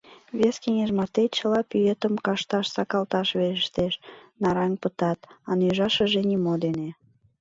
Вес кеҥеж марте чыла пӱетым кашташ сакалташ верештеш, нараҥ пытат, а нӱжашыже нимо дене».